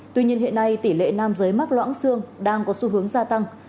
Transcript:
tuy nhiên hiện nay tỷ lệ nam giới mắc loãng xương đang có xu hướng gia tăng